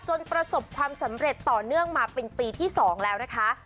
ประสบความสำเร็จต่อเนื่องมาเป็นปีที่๒แล้วนะคะ